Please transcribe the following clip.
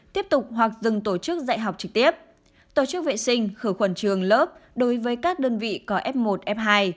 tiếp tục hoặc dừng tổ chức dạy học trực tiếp tổ chức vệ sinh khử khuẩn trường lớp đối với các đơn vị có f một f hai